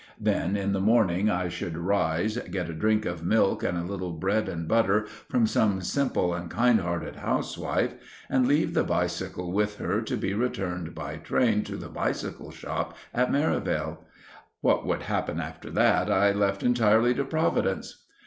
Then in the morning I should rise, get a drink of milk and a little bread and butter from some simple and kind hearted housewife, and leave the bicycle with her to be returned by train to the bicycle shop at Merivale. What would happen after that I left entirely to Providence.